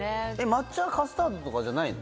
抹茶はカスタードじゃないの？